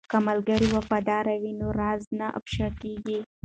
که ملګری وفادار وي نو راز نه افشا کیږي.